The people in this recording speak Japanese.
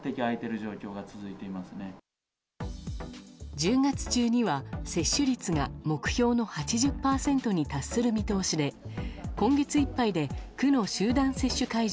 １０月中には接種率が目標の８０％に達する見通しで今月いっぱいで区の集団接種会場